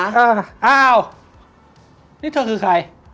อ้าวนี่เธอคือใคร